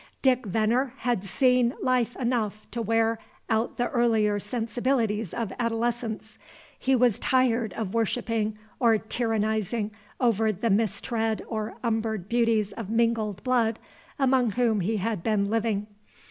Dick Venner had seen life enough to wear out the earlier sensibilities of adolescence. He was tired of worshipping or tyrannizing over the bistred or umbered beauties of mingled blood among whom he had been living.